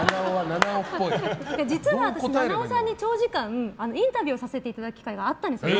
実は私、菜々緒さんに長時間インタビューをさせていただく機会があったんです。